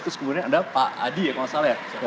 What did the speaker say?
terus kemudian ada pak adi kalau salah ya